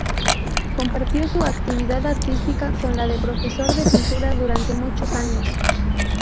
Compartió su actividad artística con la de profesor de pintura durante muchos años.